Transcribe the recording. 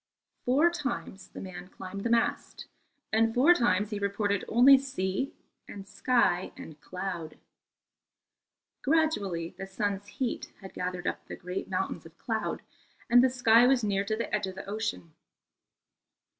Four times the man climbed the mast, and four times he reported only sea and sky and cloud. Gradually the sun's heat had gathered up the great mountains of cloud, and the sky was clear to the edge of the ocean.